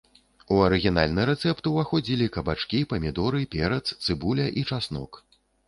У арыгінальны рэцэпт ўваходзілі кабачкі, памідоры, перац, цыбуля і часнок.